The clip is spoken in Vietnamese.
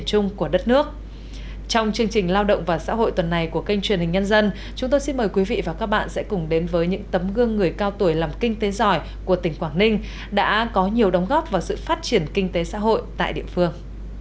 trong chương trình lao động và xã hội tuần này của kênh truyền hình nhân dân chúng tôi xin mời quý vị và các bạn sẽ cùng đến với những tấm gương người cao tuổi làm kinh tế giỏi của tỉnh quảng ninh đã có nhiều đóng góp vào sự phát triển kinh tế xã hội tại địa phương